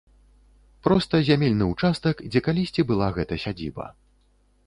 Проста зямельны ўчастак, дзе калісьці была гэта сядзіба.